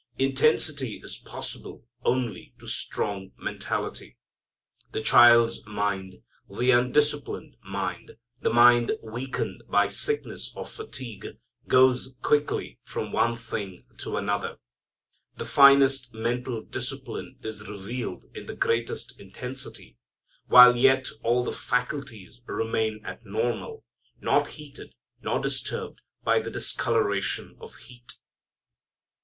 Intensity is possible only to strong mentality. The child's mind, the undisciplined mind, the mind weakened by sickness or fatigue goes quickly from one thing to another. The finest mental discipline is revealed in the greatest intensity, while yet all the faculties remain at normal, not heated, nor disturbed by the discoloration of heat.